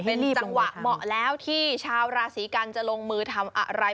เป็นจังหวะเหมาะแล้วที่ชาวราศีกันจะลงมือทำอะไร